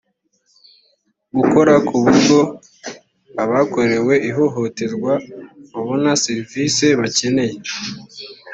gukora ku buryo abakorewe ihohoterwa babona serivisi bakeneye